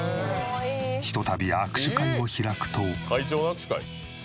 ひとたび握手会を開くと。